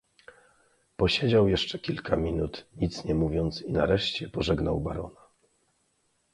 "Posiedział jeszcze kilka minut nic nie mówiąc i nareszcie pożegnał barona."